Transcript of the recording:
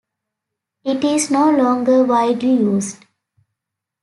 It is no longer widely used.